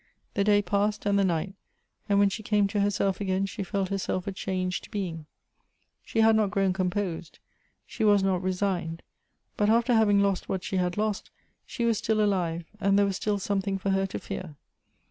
The day passed, and the night, and w;hen she came to herself again she felt herself a changed being. She had not grown composed. She was not resigned, but after having lost what she had lost, she was still ajive, and there was still something for her to fear.